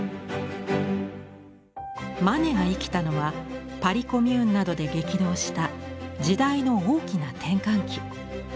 マネが生きたのはパリ・コミューンなどで激動した時代の大きな転換期。